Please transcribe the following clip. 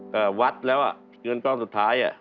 ก็วัดแล้วเพื่อนกล้องสุดท้าย